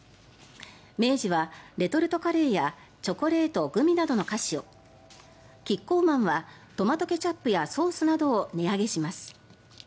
明治はレトルトカレーやチョコレート、グミなどの菓子をキッコーマンはトマトケチャップやソースなどを値上げします。